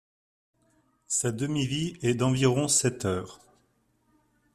Sa demi-vie est d'environ sept heures.